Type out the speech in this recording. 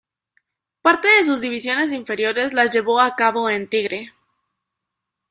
Parte de sus divisiones inferiores las llevó a cabo en Tigre.